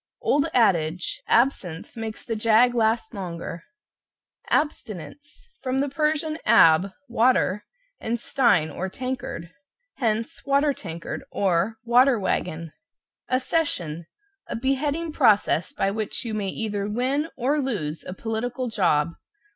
(Old adage, "Absinthe makes the jag last longer)." =ABSTINENCE= From the Persian ab, water, and stein, or tankard. Hence, water tankard, or "water wagon." =ACCESSION= A beheading process by which you may either win or lose a political job.